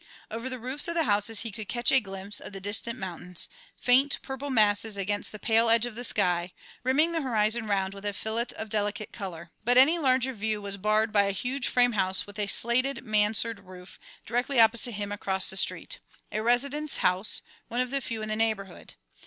Over the roofs of the houses he could catch a glimpse of the distant mountains, faint purple masses against the pale edge of the sky, rimming the horizon round with a fillet of delicate colour. But any larger view was barred by a huge frame house with a slated mansard roof, directly opposite him across the street, a residence house, one of the few in the neighbourhood.